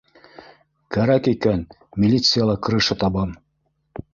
Кәрәк икән - милицияла крыша табам.